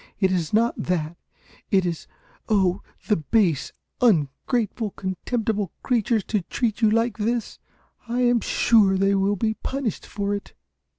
It is not that; it is oh, the base, ungrateful, contemptible creatures, to treat you like this! I am sure they will be punished for it."